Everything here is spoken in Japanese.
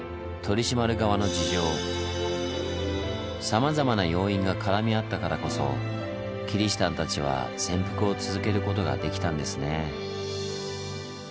さまざまな要因が絡み合ったからこそキリシタンたちは潜伏を続けることができたんですね。